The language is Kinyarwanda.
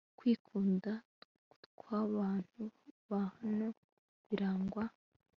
Kwikunda kwabantu baho biragawa